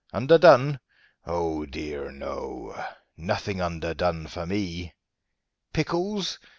Underdone? Oh, dear, no! Nothing underdone for me. Pickles?